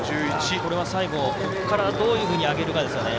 最後、ここからどういうふうに上げるかですね。